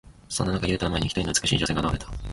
そんな中、ユウタの前に、一人の美しい女性が現れた。